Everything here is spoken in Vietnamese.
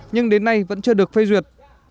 nhưng đến nay vẫn chưa được phê duyệt